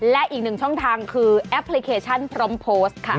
และอีกหนึ่งช่องทางคือแอปพลิเคชันพร้อมโพสต์ค่ะ